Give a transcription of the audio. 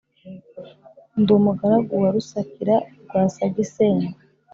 ndi umugaragu wa rusakira rwa sagisengo